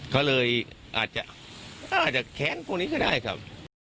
เขาเลยอาจจะแค้นพวกนี้ก็ได้ครับ